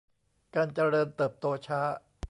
การเจริญเติบโตช้า